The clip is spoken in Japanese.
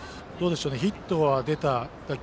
ヒットが出た打球